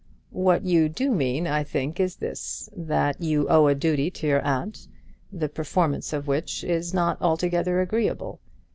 "What you do mean, I think, is this; that you owe a duty to your aunt, the performance of which is not altogether agreeable.